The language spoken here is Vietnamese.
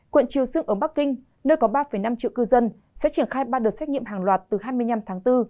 quận triều sương ở bắc kinh nơi có ba năm triệu cư dân sẽ triển khai ba đợt xét nghiệm hàng loạt từ hai mươi năm tháng bốn